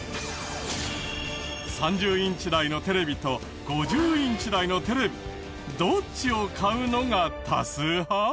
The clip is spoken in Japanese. ３０インチ台のテレビと５０インチ台のテレビどっちを買うのが多数派？